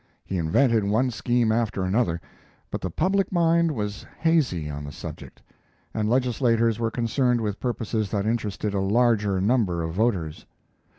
He invented one scheme after another, but the public mind was hazy on the subject, and legislators were concerned with purposes that interested a larger number of voters.